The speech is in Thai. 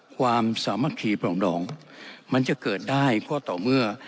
ความสามารถขี่ปล่องดองจะเกิดได้ก็ต่อเมื่อ